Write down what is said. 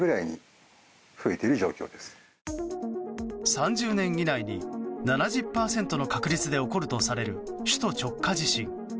３０年以内に７０％の確率で起こるとされる首都直下地震。